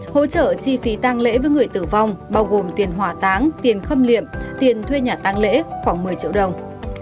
hỗ trợ chi phí tăng lễ với người tử vong bao gồm tiền hỏa táng tiền khâm liệm tiền thuê nhà tăng lễ khoảng một mươi triệu đồng